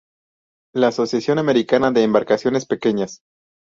La Asociación Americana de Embarcaciones Pequeñas.